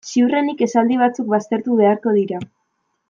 Ziurrenik esaldi batzuk baztertu beharko dira.